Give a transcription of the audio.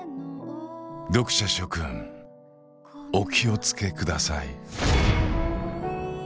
読者諸君お気を付けください